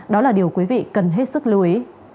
đó là điều quý vị cần hết sức lưu ý